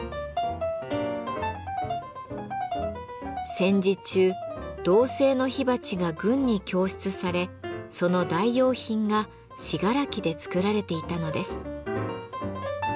戦時中銅製の火鉢が軍に供出されその代用品が信楽で作られていたのです。